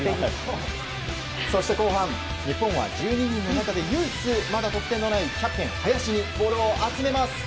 そして、後半日本は１２人の中で唯一まだ得点のないキャプテン林にボールを集めます。